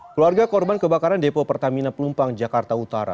keluarga korban kebakaran depo pertamina pelumpang jakarta utara